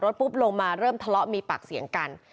ปุ๊บลงมาเริ่มทะเลาะมีปากเสียงกัน